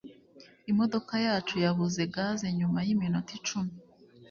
Imodoka yacu yabuze gaze nyuma yiminota icumi